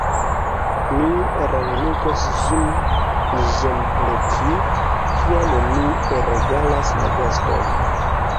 Mi lernigos ĝin ĝembleki, kiam mi regalas la gaston!